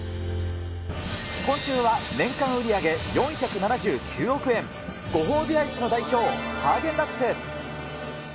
今週は、年間売り上げ４７９億円、ご褒美アイスの代表、ハーゲンダッツ。